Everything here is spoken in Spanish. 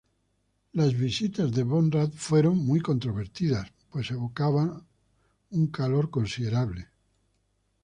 Von Rad visitas fueron muy controvertidas, que evoca un calor considerable.